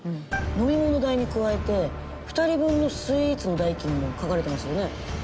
飲み物代に加えて２人分のスイーツの代金も書かれてますよね。